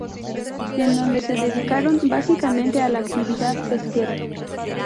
En donde se dedicaron, básicamente, a la actividad pesquera.